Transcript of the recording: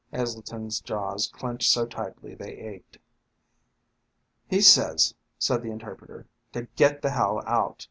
Heselton's jaws clenched so tightly they ached. "He says," said the interpreter, "to get the hell out."